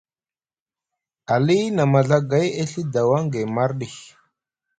Ali na maɵagay e Ɵi dawaŋ gay marɗi.